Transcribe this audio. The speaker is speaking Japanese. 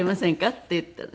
って言ったの。